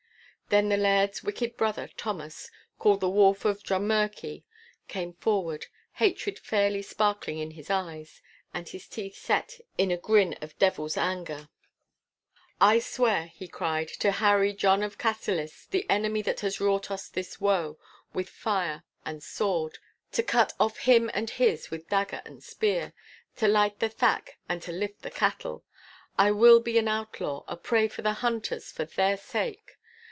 Then the Laird's wicked brother, Thomas, called the Wolf of Drummurchie, came forward, hatred fairly sparkling in his eyes, and his teeth set in a girn of devil's anger. 'I swear,' he cried, 'to harry John of Cassillis, the enemy that has wrought us this woe, with fire and sword—to cut off him and his with dagger and spear, to light the thack and to lift the cattle. I will be an outlaw, a prey for the hunters for their sake.